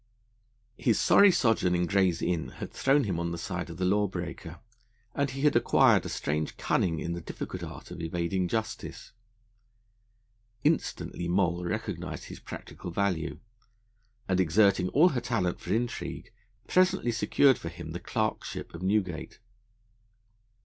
His sorry sojourn in Gray's Inn had thrown him on the side of the law breaker, and he had acquired a strange cunning in the difficult art of evading justice. Instantly Moll recognised his practical value, and, exerting all her talent for intrigue, presently secured for him the Clerkship of Newgate.